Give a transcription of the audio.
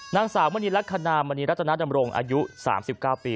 นางสาวมณีลักษณะมณีรัฐนาดำรงอายุ๓๙ปี